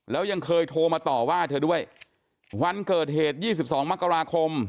แล้วยังเคยโทรมาต่อว่าให้เธอด้วยวันเกิดเหตุยี่สิบสองมกราคม